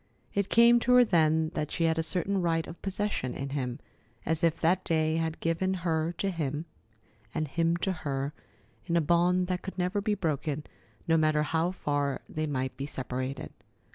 It came to her then that she had a certain right of possession in him, as if that day had given her to him and him to her in a bond that could never be broken, no matter how far they might be separated.